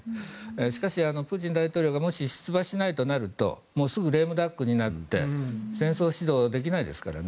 しかし、プーチン大統領がもし出馬しないとなるとすぐにレームダックになって戦争指導できないですからね。